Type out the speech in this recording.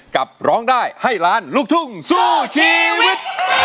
ร้องได้ให้ล้านลูกทุ่งสู้ชีวิต